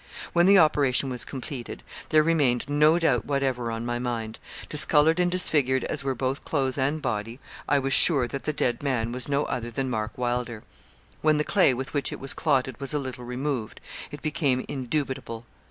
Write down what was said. When the operation was completed, there remained no doubt whatever on my mind: discoloured and disfigured as were both clothes and body, I was sure that the dead man was no other than Mark Wylder. When the clay with which it was clotted was a little removed, it became indubitable.